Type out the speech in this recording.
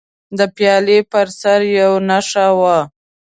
د پیالې پر سر یوه نښه وه.